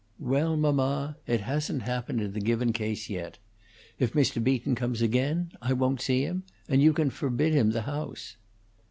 "Well, mamma, it hasn't happened in the given case yet. If Mr. Beaton comes again, I won't see him, and you can forbid him the house."